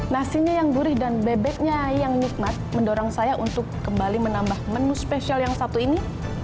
nasinya yang gurih dan bebeknya yang nikmat mendorong saya untuk kembali menambah menu spesial yang satu ini